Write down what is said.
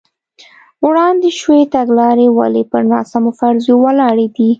وړاندې شوې تګلارې ولې پر ناسمو فرضیو ولاړې دي.